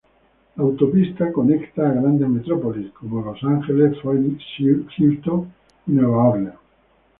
La autopista conecta a grandes metrópolis como Los Ángeles, Phoenix, Houston y Nueva Orleans.